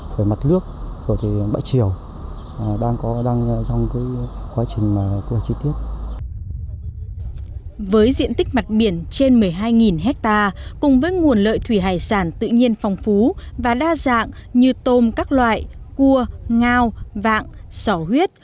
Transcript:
với diện tích mặt biển trên một mươi hai ha cùng với nguồn lợi thủy hải sản tự nhiên phong phú và đa dạng như tôm các loại cua ngao vạng sỏ huyết